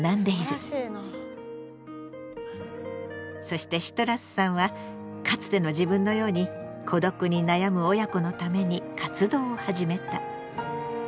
そしてシトラスさんはかつての自分のように孤独に悩む親子のために活動を始めた。